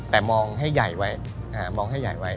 แต่มองให้ใหญ่ไว้